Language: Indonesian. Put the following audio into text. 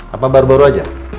apa baru baru aja